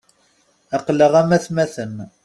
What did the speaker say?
Aql-aɣ am atmaten.